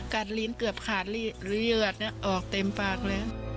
กัดลิ้นเกือบขาดเลือดออกเต็มปากแล้ว